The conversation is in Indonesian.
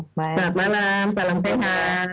selamat malam salam sehat